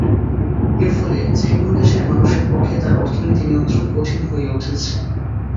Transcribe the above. এর ফলে যেকোনো দেশের মানুষের পক্ষে তার অর্থনীতি নিয়ন্ত্রণ কঠিন হয়ে উঠেছে।